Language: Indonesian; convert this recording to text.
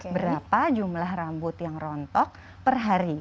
berapa jumlah rambut yang rontok per hari